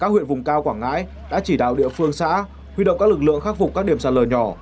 các huyện vùng cao quảng ngãi đã chỉ đạo địa phương xã huy động các lực lượng khắc phục các điểm sạt lở nhỏ